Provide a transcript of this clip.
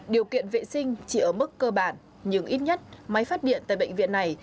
điều kiện vệ sinh chỉ ở mức cơ bản nhưng ít nhất máy phát điện tại bệnh viện này